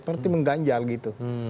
berarti mengganjal gitu